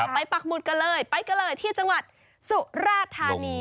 ไปปรับบุญกันเลยไปกันเลยที่จังหวัดสุราธารณี